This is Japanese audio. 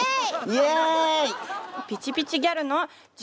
イエイ！